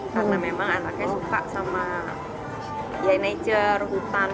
karena memang anaknya suka sama nature hutan